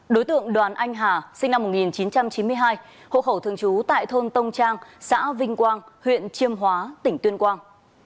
đối tượng đoàn anh hà sinh năm một nghìn chín trăm chín mươi hai hộ khẩu thường trú tại thôn tông trang xã vinh quang huyện chiêm hóa tỉnh tuyên quang